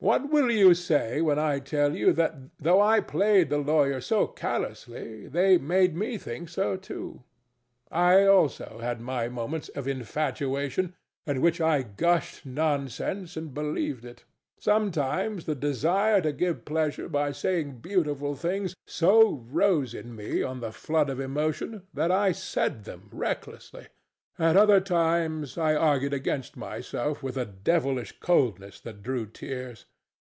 What will you say when I tell you that though I played the lawyer so callously, they made me think so too? I also had my moments of infatuation in which I gushed nonsense and believed it. Sometimes the desire to give pleasure by saying beautiful things so rose in me on the flood of emotion that I said them recklessly. At other times I argued against myself with a devilish coldness that drew tears.